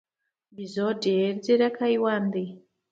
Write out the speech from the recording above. بیزو ډېر ځیرک حیوان دی.